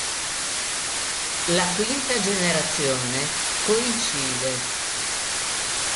La quinta generazione coincide.